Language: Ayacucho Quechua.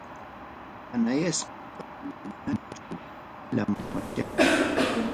Manasya vueltamunñachu, lambraschallay.